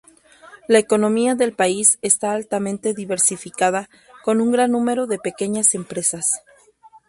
La economía del país está altamente diversificada, con un gran número de pequeñas empresas.